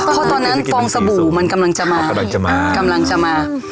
เพราะตอนนั้นฟองสบู่มันกำลังจะมา